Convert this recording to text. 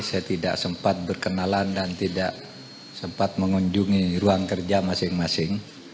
saya tidak sempat berkenalan dan tidak sempat mengunjungi ruang kerja masing masing